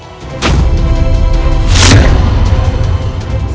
siapa yang sudah memerintahkan